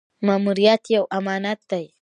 ماموریت یو امانت دی